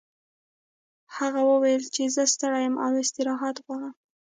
هغې وویل چې زه ستړې یم او استراحت غواړم